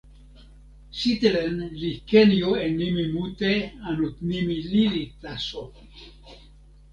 sitelen li ken jo e nimi mute anu nimi lili taso.